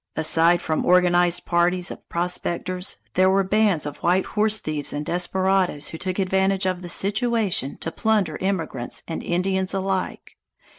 Aside from organized parties of prospectors, there were bands of white horse thieves and desperadoes who took advantage of the situation to plunder immigrants and Indians alike.